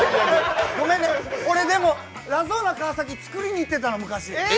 ごめんね、でも俺ラゾーナ川崎作りに行ってたの、昔。